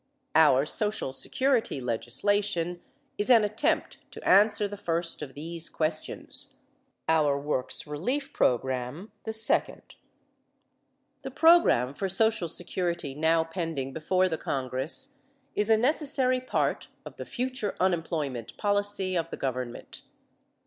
Our social security legislation is an attempt to answer the first of these questions; our Works Relief program, the second. The program for social security now pending before the Congress is a necessary part of the future unemployment policy of the government.